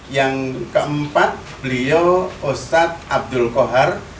yang keempat beliau ustadz abdul kohar